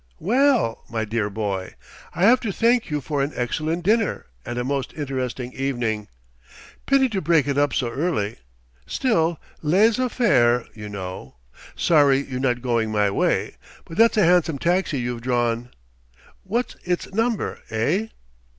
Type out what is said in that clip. "Well, my dear boy! I have to thank you for an excellent dinner and a most interesting evening. Pity to break it up so early. Still, les affaires you know! Sorry you're not going my way but that's a handsome taxi you've drawn. What's its number eh?"